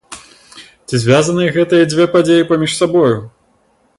Ці звязаныя гэтыя дзве падзеі паміж сабою?